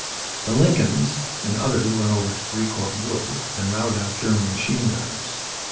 The Lincolns and others went over to Fricourt Wood and routed out German machine gunners.